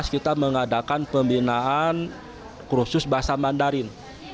kita mengadakan pembinaan kursus bahasa mandarin